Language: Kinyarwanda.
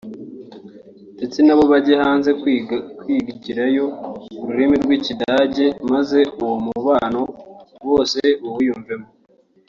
ndetse nabo bajye hanze kwigirayo ururimi rw’ikidage maze uwo mubano bose bawiyumvemo